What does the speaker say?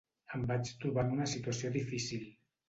Em vaig trobar en una situació difícil.